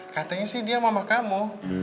katanya sih dia mama kamu